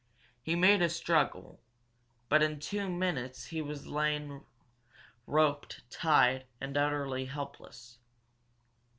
He made a struggle, but in two minutes he was laying roped, tied, and utterly helpless.